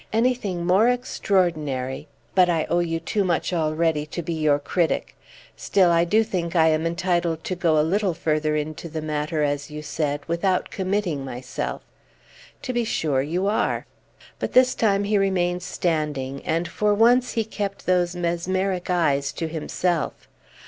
Anything more extraordinary but I owe you too much already to be your critic. Still, I do think I am entitled to go a little further into the matter, as you said, without committing myself." "To be sure you are." But this time he remained standing; and for once he kept those mesmeric eyes to himself.